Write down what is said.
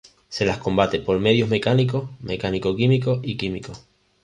Se las combate por medios mecánicos, mecánico-químico y químico.